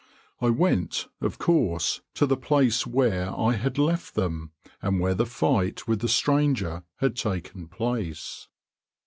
I went, of course, to the place where I had left them, and where the fight with the stranger had taken place.